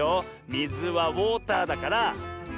みずはウォーターだからウォーター。